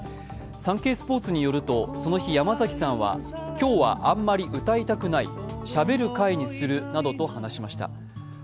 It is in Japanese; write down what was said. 「サンケイスポーツ」によるとその日、山崎さんは今日はあまり歌いたくない、しゃべる会にするなどと話したそうです。